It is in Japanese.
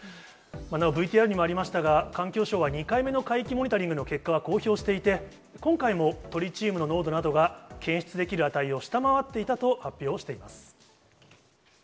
なおＶＴＲにもありましたが、環境省は２回目の海域モニタリングの結果は公表していて、今回もトリチウムの濃度などが検出できる値を下回っていたと発表をしています。